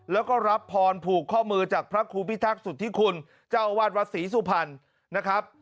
แล้วก็รับพรผูกข้อมือจากพระครูพิทักษุธิคุณเจ้าอาวาสวัดศรีสุพรรณนะครับ